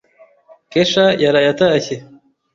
Kesha yaraye atashye.